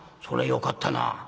「そりゃよかったな」。